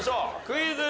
クイズ。